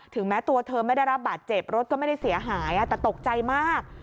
แม้ตัวเธอไม่ได้รับบาดเจ็บรถก็ไม่ได้เสียหายแต่ตกใจมาก